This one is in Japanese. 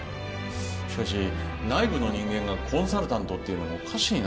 しかし内部の人間がコンサルタントっていうのもおかしいな。